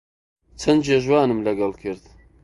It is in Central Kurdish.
چەند جێژوانم لەگەڵ کرد